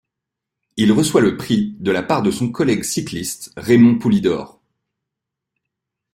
Il reçoit le prix de la part de son collègue cycliste Raymond Poulidor.